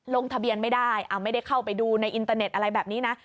ลงทะเบียนไม่ได้ไม่ได้เข้าไปดูในอินเตอร์เน็ตอะไรแบบนี้นะ